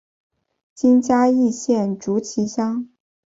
今嘉义县竹崎乡。